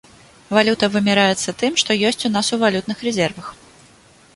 Валюта вымяраецца тым, што ёсць у нас у валютных рэзервах.